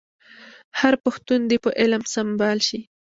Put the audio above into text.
هر پښتون دي په علم سمبال شي.